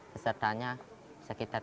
pesertanya sekitar tiga puluh